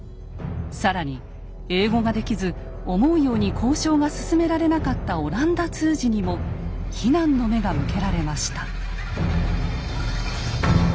更に英語ができず思うように交渉が進められなかった阿蘭陀通詞にも非難の目が向けられました。